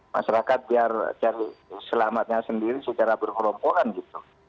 masyarakat biar cari selamatnya sendiri secara berkerompokan gitu